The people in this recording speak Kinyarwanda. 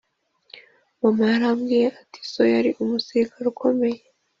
mama yarambwiye ati:so yari umusirikare ukomeye